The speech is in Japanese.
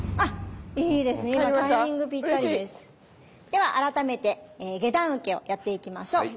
では改めて下段受けをやっていきましょう。